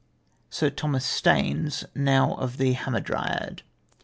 "Sir Thomas Staines, now of the Hamadryad.